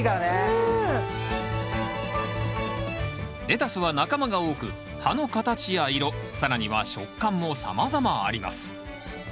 レタスは仲間が多く葉の形や色更には食感もさまざまあります。